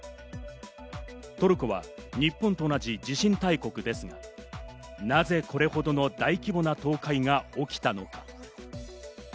トルコは日本と同じ地震大国ですが、なぜこれほどの大規模な倒壊が起きたのか？